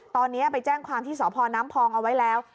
ตอนนี้ไปแจ้งความที่สพน้ำพองเอาไว้แล้ว